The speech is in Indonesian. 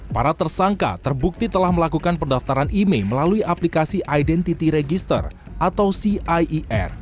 para tersangka terbukti telah melakukan pendaftaran email melalui aplikasi identity register atau cier